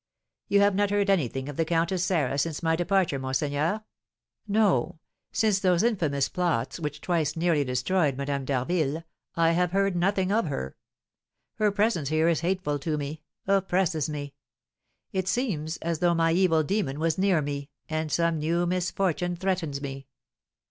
"You have not heard anything of the Countess Sarah since my departure, monseigneur?" "No; since those infamous plots which twice nearly destroyed Madame d'Harville, I have heard nothing of her. Her presence here is hateful to me, oppresses me; it seems as though my evil demon was near me, and some new misfortune threatens me."